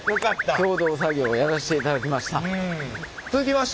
共同作業をやらせていただきました。